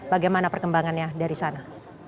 bagaimana perkembangannya dari sana